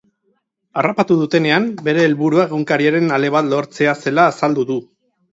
Harrapatu dutenean, bere helburua egunkariaren ale bat lortzea zela azaldu du.